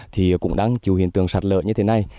thì cũng đang chịu hiện tượng sạt lở như thế này